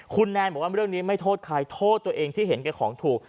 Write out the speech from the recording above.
คุณแนนบอกว่าเรื่องนี้ไม่โทษใครโทษตัวเองที่เห็นแก่ของถูก